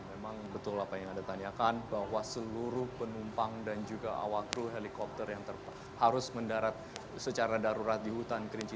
memang betul apa yang anda tanyakan bahwa seluruh penumpang dan juga awak kru helikopter yang harus mendarat secara darurat di hutan kerinci